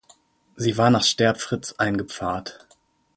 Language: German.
Sie war nach Sterbfritz eingepfarrt.